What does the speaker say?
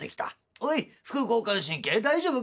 おい副交感神経大丈夫かい？」。